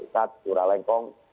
satu kura lengkong